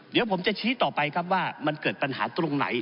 เดี๋ยวผมจะชี้ต่อไปครับว่ามันเกิดปัญหาตรงไหน